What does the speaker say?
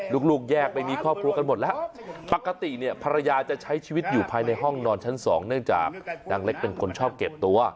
ลูกแยกไปมีครอบครัวกันหมดแล้วปกติเนี่ยภรรยาจะใช้ชีวิตอยู่ภายในห้องนอนชั้นสองเนื่องจากนางเล็กเป็นคนชอบเก็บตัว